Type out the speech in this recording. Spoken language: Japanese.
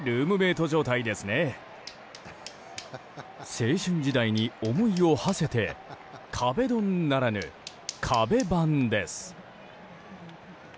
青春時代に思いをはせて壁ドンならぬ壁バンです。